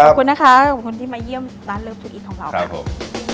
ขอบคุณนะคะขอบคุณที่มาเยี่ยมร้านเลิฟทุอิตของเราครับผม